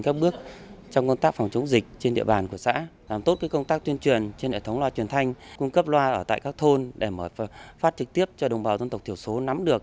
các bước trong công tác phòng chống dịch trên địa bàn của xã làm tốt công tác tuyên truyền trên đại thống loa truyền thanh cung cấp loa ở tại các thôn để mở phát trực tiếp cho đồng bào dân tộc thiểu số nắm được